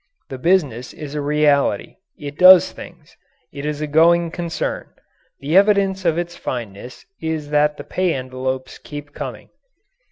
The business is a reality. It does things. It is a going concern. The evidence of its fitness is that the pay envelopes keep coming.